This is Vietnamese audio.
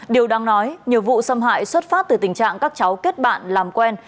điều đang nói nhiều vụ xâm hại xuất phát từ tình trạng các cháu kết bạn làm quen